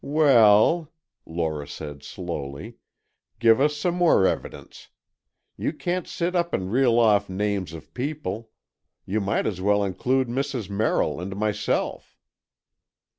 "Well," Lora said, slowly, "give us some more evidence. You can't sit up and reel off names of people. You might as well include Mrs. Merrill and myself."